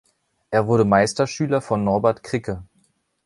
Er wurde Meisterschüler von Norbert Kricke.